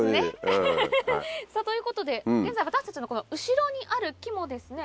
ホントに。ということで現在私たちの後ろにある木もですね